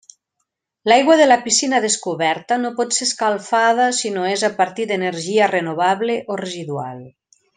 L'aigua de la piscina descoberta no pot ser escalfada si no és a partir d'energia renovable o residual.